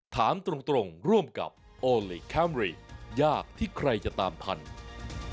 ถามตรงร่วมกับโอลี่คัมรี่ยากที่ใครจะตามพันธุ์